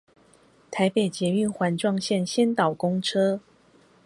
台北捷運環狀線先導公車